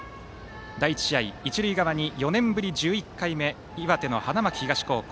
第１試合、一塁側に４年ぶり１１回目岩手の花巻東高校。